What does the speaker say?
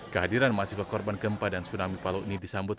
kehadiran mahasiswa korban gempa dan tsunami palu ini disambut